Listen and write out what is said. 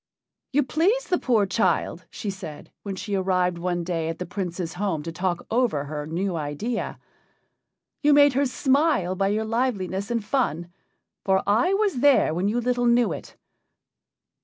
"You pleased the poor child," she said, when she arrived one day at the Prince's home to talk over her new idea. "You made her smile by your liveliness and fun. For I was there when you little knew it.